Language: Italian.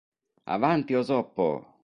Avanti Osoppo"!